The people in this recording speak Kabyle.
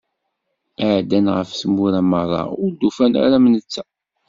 Ɛeddan ɣef tmura meṛṛa ur d-ufan ara am netta.